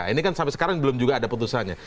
ini kan sampai sekarang belum juga ada putusannya